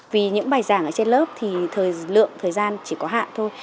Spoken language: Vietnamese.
vì những bài giảng ở trên lớp thì thời lượng thời gian chỉ có hạn thôi